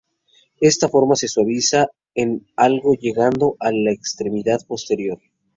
Esta forma se suaviza en algo llegando a la extremidad posterior.